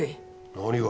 何が。